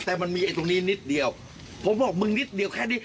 แต่มันมีไอ้ตรงนี้นิดเดียวผมบอกมึงนิดเดียวแค่นี้